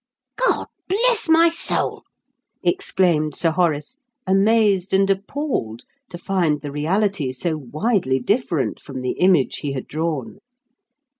"God bless my soul!" exclaimed Sir Horace, amazed and appalled to find the reality so widely different from the image he had drawn.